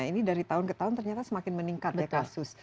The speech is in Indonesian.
ini dari tahun ke tahun ternyata semakin meningkat ya kasus